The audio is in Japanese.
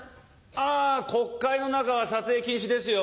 あ国会の中は撮影禁止ですよ。